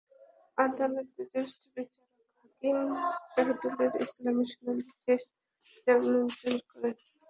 আদালতের জ্যেষ্ঠ বিচারিক হাকিম শহীদুল ইসলাম শুনানি শেষে জামিন মঞ্জুর করেন।